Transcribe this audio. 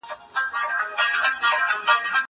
زه اوس شګه پاکوم.